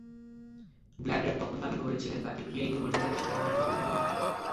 Blatter তখন দাবি করেছিলেন, তাঁকে ভিআইপি মর্যাদায় সেখানে গ্রহণ করা হয়নি।